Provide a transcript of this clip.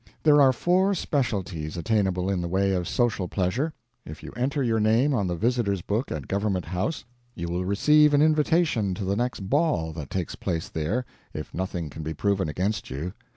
There are four specialties attainable in the way of social pleasure. If you enter your name on the Visitor's Book at Government House you will receive an invitation to the next ball that takes place there, if nothing can be proven against you.